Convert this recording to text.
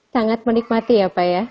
sangat menikmati ya pak ya